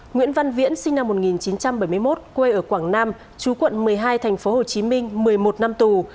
nguyễn văn viễn sinh năm một nghìn chín trăm bảy mươi một quê ở quảng nam chú quận một mươi hai tp hcm một mươi một năm tù